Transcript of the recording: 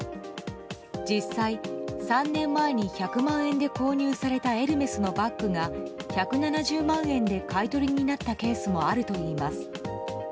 実際、３年前に１００万円で購入されたエルメスのバッグが１７０万円で買い取りになったケースもあるといいます。